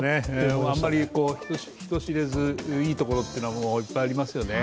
あまり人知れずいいところっていうのはいっぱいありますよね。